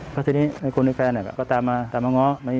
เพราะทีนี้ไอ้คนเดียวกี่แฟนก็ตามมาตามมาง้วง